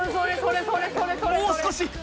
もう少し！